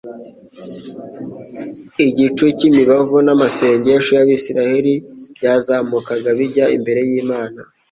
Igicu cy'imibavu n'amasengesho y'Abisiraheli byazamukaga bijya imbere y'Imana